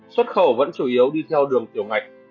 xuất khẩu vẫn chủ yếu đi theo đường tiểu ngạch